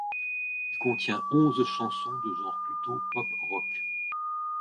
Il contient onze chansons de genre plutôt pop-rock.